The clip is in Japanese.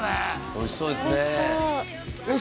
おいしそうですねえっ